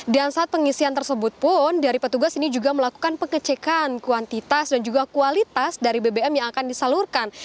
dan saat pengisian tersebut pun dari petugas ini juga melakukan pengecekan kuantitas dan juga kualitas dari bbm yang akan disalurkan